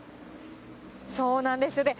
そうなんです。